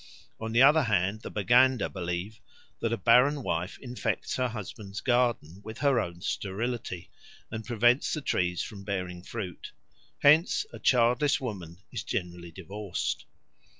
On the other hand, the Baganda believe that a barren wife infects her husband's garden with her own sterility and prevents the trees from bearing fruit; hence a childless woman is generally divorced.